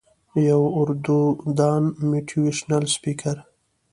يو اردو دان موټيوېشنل سپيکر